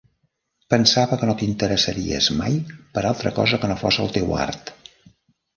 Pensava que no t'interessaries mai per altra cosa que no fos el teu art.